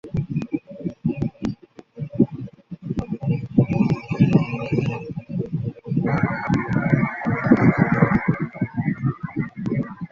মন্ত্রী কহিলেন, মহারাজ, শুনিতে পাই, প্রতাপাদিত্য আজকাল আপসোসে সারা হইতেছেন।